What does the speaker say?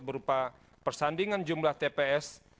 berupa persandingan jumlah tps